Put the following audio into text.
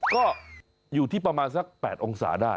ก็อยู่ที่ประมาณสัก๘องศาได้